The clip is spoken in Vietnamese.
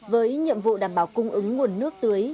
với nhiệm vụ đảm bảo cung ứng nguồn nước tưới